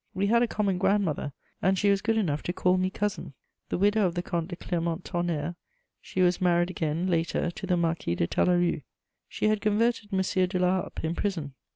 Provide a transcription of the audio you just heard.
We had a common grandmother, and she was good enough to call me cousin. The widow of the Comte de Clermont Tonnerre, she was married again, later, to the Marquis de Talaru. She had converted M. de La Harpe in prison.